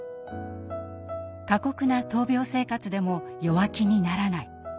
過酷な闘病生活でも弱気にならない。